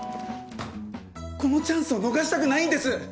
このチャンスを逃したくないんです！